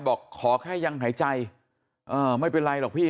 บอกขอแค่ยังหายใจไม่เป็นไรหรอกพี่